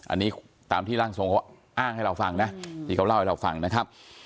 อันนี้ตามที่ร่างทรงเขาอ้างให้เราฟังนะที่เขาเล่าให้เราฟังนะครับ